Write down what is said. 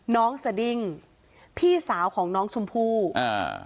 สดิ้งพี่สาวของน้องชมพู่อ่า